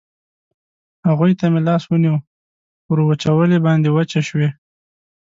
هغوی ته مې لاس ونیو، پر وچولې باندې وچه شوې.